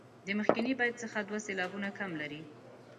د مخکني بیت څخه دوه سېلابونه کم لري.